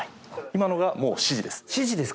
今のが指示です。